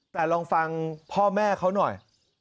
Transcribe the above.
แต่ลองฟังพ่อแม่เขาหน่อย